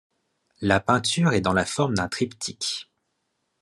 La peinture est dans la forme d'un triptyque.